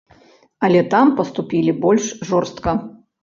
Але там паступілі больш жорстка.